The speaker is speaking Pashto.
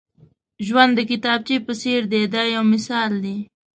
ژوند د کتابچې په څېر دی دا یو مثال دی.